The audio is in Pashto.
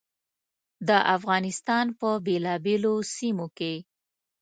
د افغانستان په بېلابېلو سیمو کې.